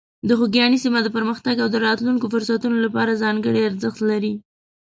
د خوږیاڼي سیمه د پرمختګ او د راتلونکو فرصتونو لپاره ځانګړې ارزښت لري.